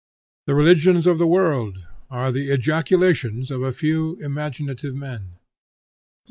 The religions of the world are the ejaculations of a few imaginative men.